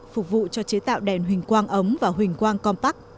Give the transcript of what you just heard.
phục vụ cho chế tạo đèn hình quang ấm và hình quang compact